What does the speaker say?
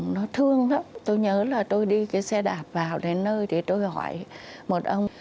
nó thương lắm tôi nhớ là tôi đi cái xe đạp vào đến nơi thì tôi hỏi một ông